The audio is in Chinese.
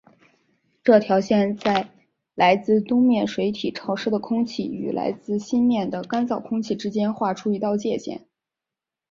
这条线在来自东面水体潮湿的空气与来自西面的干燥空气之间划出一道界限。